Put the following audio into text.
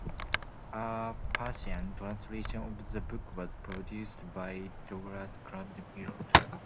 A Persian translation of the book was produced by Douglas Craven Phillott.